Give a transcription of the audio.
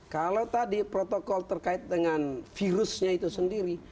kalau tadi protokol terkait dengan virusnya itu sendiri